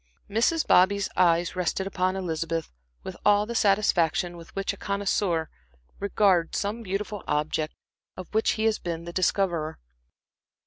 Mrs. Bobby's eyes rested upon Elizabeth with all the satisfaction with which a connoisseur regards some beautiful object of which he has been the discoverer.